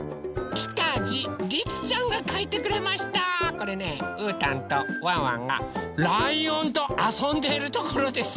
これねうーたんとワンワンがライオンとあそんでいるところです。